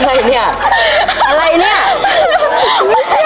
อะไรเนี่ยอะไรเนี่ย